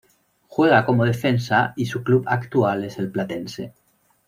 Juega como defensa, y su club actual es el "Platense".